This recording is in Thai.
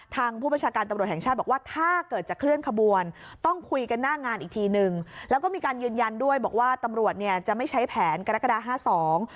ผู้ประชาการตำรวจแห่งชาติบอกว่าถ้าเกิดจะเคลื่อนขบวนต้องคุยกันหน้างานอีกทีนึงแล้วก็มีการยืนยันด้วยบอกว่าตำรวจเนี่ยจะไม่ใช้แผนกรกฎาห้าสอง